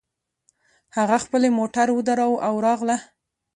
هغې خپلې موټر ودراوو او راغله